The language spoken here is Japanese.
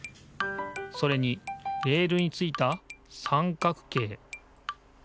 それにレールについた三角形。